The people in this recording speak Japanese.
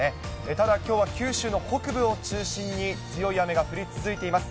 ただ、きょうは九州の北部を中心に強い雨が降り続いています。